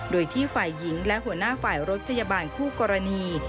โดยที่ฝ่ายหญิงและหัวหน้าฝ่ายรถพยาบาลคู่กรณี